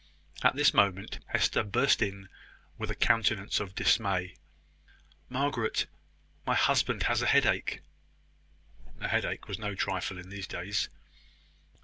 At this moment, Hester burst in with a countenance of dismay. "Margaret, my husband has a headache!" A headache was no trifle in these days.